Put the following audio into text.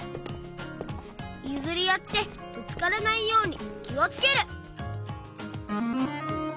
ゆずりあってぶつからないようにきをつける。